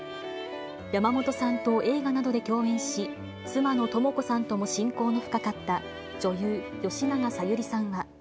山本さんと映画などで共演し、妻の誠子さんとも親交が深かった女優、吉永小百合さんは。